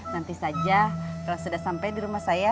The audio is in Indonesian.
nanti saja kalau sudah sampai di rumah saya